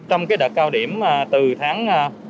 trong đợt cao điểm từ tháng một mươi